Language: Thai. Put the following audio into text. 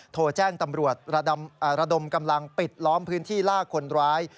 โทรแจ้งตำรวจระดมกำลังปิดล้อมพื้นที่ลากคนร้าย